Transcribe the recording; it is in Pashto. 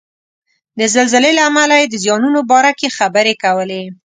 د زلزلې له امله یې د زیانونو باره کې خبرې کولې.